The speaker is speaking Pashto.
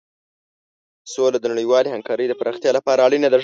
سوله د نړیوالې همکارۍ د پراختیا لپاره اړینه ده.